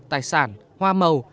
tài sản hoa màu